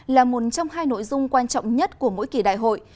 là một trong hai nội dung quan trọng nhất của mỗi kỳ đại hội